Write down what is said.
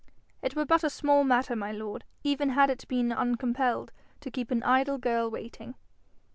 'It were but a small matter, my lord, even had it been uncompelled, to keep an idle girl waiting.'